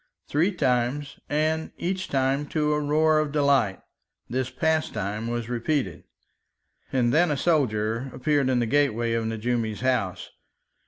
Three times, and each time to a roar of delight, this pastime was repeated, and then a soldier appeared in the gateway of Nejoumi's house.